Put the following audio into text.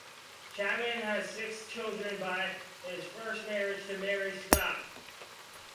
Chapman had six children by his first marriage to Mary Scott.